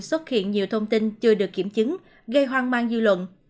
xuất hiện nhiều thông tin chưa được kiểm chứng gây hoang mang dư luận